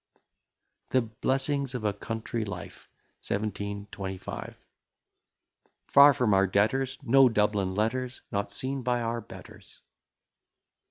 THE BLESSINGS OF A COUNTRY LIFE 1725 Far from our debtors; no Dublin letters; Not seen by our betters.